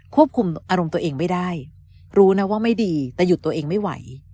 ควบคุมอารมณ์ตัวเองไม่ได้รู้นะว่าไม่ดีแต่หยุดตัวเองไม่ไหว